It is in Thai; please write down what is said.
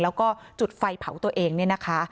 แล้วก็จุดไฟเผาตัวเองเนี่ยนะคะ